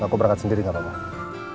aku berangkat sendiri gak apa apa